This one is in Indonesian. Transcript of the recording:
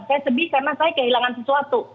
saya sedih karena saya kehilangan sesuatu